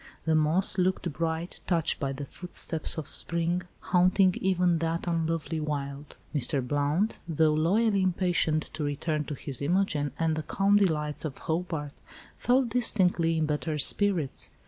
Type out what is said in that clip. The moss looked bright "touched by the footsteps of spring," haunting even that unlovely wild. Mr. Blount, though loyally impatient to return to his Imogen and the calm delights of Hobart, felt distinctly in better spirits.